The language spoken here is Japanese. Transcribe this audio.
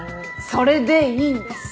それでいいんです。